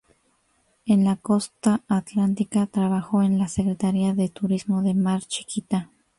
En la Costa Atlántica, trabajó en la Secretaría de Turismo de Mar Chiquita.